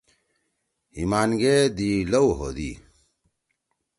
ہیِمان گے دی لؤ ہودی